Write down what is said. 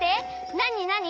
なになに？